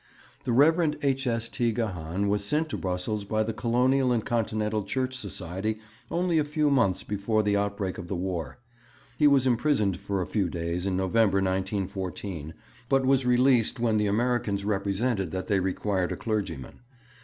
The Rev. H. S. T. Gahan was sent to Brussels by the Colonial and Continental Church Society only a few months before the outbreak of the War. He was imprisoned for a few days in November, 1914, but was released when the Americans represented that they required a clergyman.